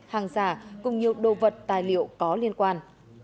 hàng giả cùng nhiều đồ vật tài liệu có liên quan